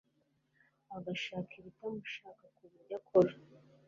agashaka ibitamushaka kubyo akora